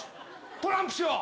トランプしよう！